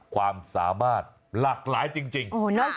ความสามารถหลากหลายจริง